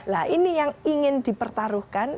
nah ini yang ingin dipertaruhkan